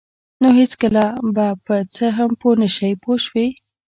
نو هېڅکله به په څه هم پوه نشئ پوه شوې!.